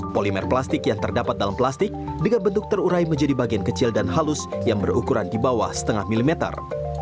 polimer plastik yang terdapat dalam plastik dengan bentuk terurai menjadi bagian kecil dan halus yang berukuran di bawah setengah milimeter